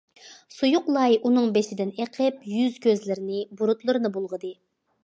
سۇيۇق لاي ئۇنىڭ بېشىدىن ئېقىپ، يۈز- كۆزلىرىنى، بۇرۇتلىرىنى بۇلغىدى.